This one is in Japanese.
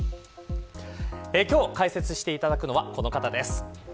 今日解説していただくのはこの方です。